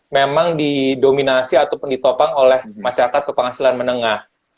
memang didominasi ataupun ditopang oleh masyarakat pepenghasilan menengah